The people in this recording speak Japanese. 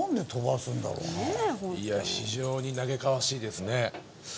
いや非常に嘆かわしいですね。